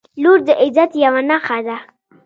• لور د عزت یوه نښه ده.